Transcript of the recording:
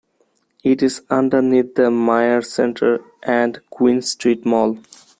It is underneath The Myer Centre and Queen Street Mall.